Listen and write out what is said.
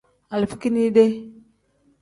Alifa kinide.